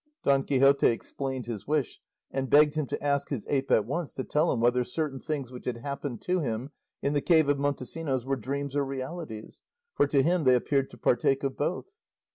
Don Quixote explained his wish, and begged him to ask his ape at once to tell him whether certain things which had happened to him in the cave of Montesinos were dreams or realities, for to him they appeared to partake of both.